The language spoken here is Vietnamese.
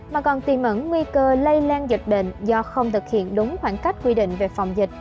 mà còn tìm ẩn nguy cơ lây lan dịch bệnh do không thực hiện đúng khoảng cách quy định về phòng dịch